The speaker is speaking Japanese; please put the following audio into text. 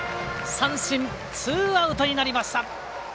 三振、ツーアウトになりました。